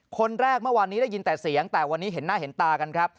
คนแรกเมื่อวานนี้ได้ยินแต่เสียงแต่วันนี้เห็นหน้าเห็นตากันครับ